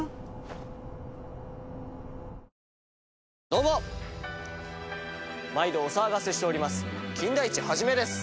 どうも毎度お騒がせしております